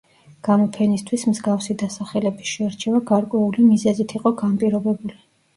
გამოფენისთვის მსგავსი დასახელების შერჩევა გარკვეული მიზეზით იყო განპირობებული.